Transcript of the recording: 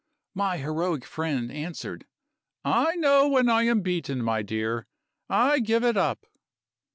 "My heroic friend answered: 'I know when I am beaten, my dear I give it up.